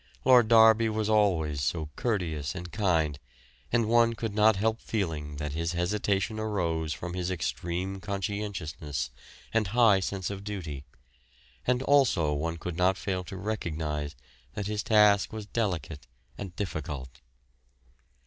Lord Derby was always so courteous and kind, and one could not help feeling that his hesitation arose from his extreme conscientiousness and high sense of duty, and also one could not fail to recognise that his task was delicate and difficult.